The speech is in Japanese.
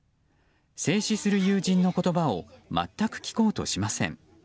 制止する友人の言葉を全く聞こうとしません。